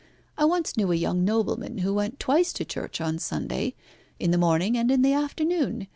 I once knew a young nobleman who went twice to church on Sunday in the morning and the afternoon.